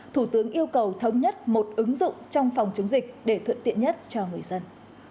thủ tướng yêu cầu thống nhất một ứng dụng trong phòng chống dịch để thuận tiện nhất cho người dân